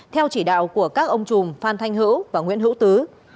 theo chỉ đạo của các ông chùm phan thanh hữu và nguyễn hữu tứ